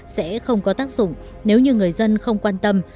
sẽ không có tác dụng nếu như người dân không quan tâm